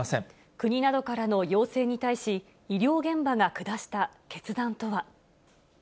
国などからの要請に対し、医療現場が下した決断とは。